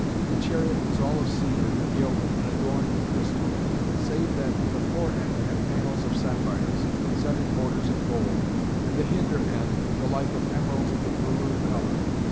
The chariot was all of cedar, gilt, and adorned with crystal; save that the fore end had panels of sapphires, set in borders of gold; and the hinder end the like of emeralds of the Peru colour.